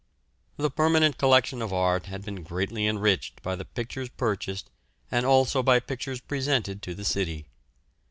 "The Permanent Collection of Art had been greatly enriched by the pictures purchased and also by pictures presented to the city.